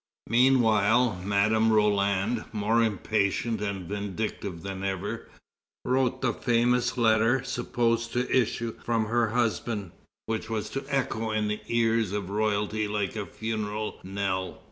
Meanwhile, Madame Roland, more impatient and vindictive than ever, wrote the famous letter supposed to issue from her husband, which was to echo in the ears of royalty like a funeral knell.